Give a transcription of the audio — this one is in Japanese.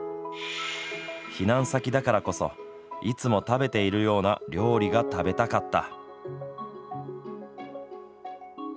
避難先だからこそいつも食べているような料理が食べたかった。